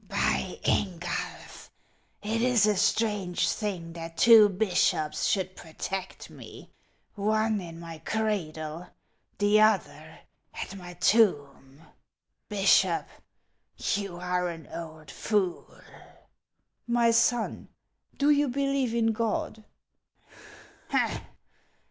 By Ingulf * it is a strange thing that two bishops should protect me, — one in my cradle, the other at my tomb. Bishop, you are an old <ooL"* " My son, do you believe in God